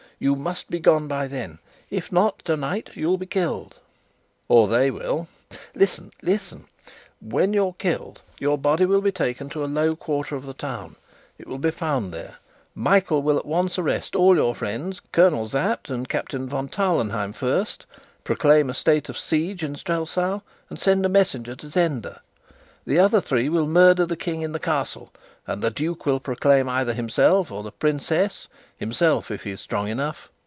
You must be gone by then. If not, tonight you'll be killed " "Or they will." "Listen, listen! When you're killed, your body will be taken to a low quarter of the town. It will be found there. Michael will at once arrest all your friends Colonel Sapt and Captain von Tarlenheim first proclaim a state of siege in Strelsau, and send a messenger to Zenda. The other three will murder the King in the Castle, and the duke will proclaim either himself or the princess himself, if he is strong enough.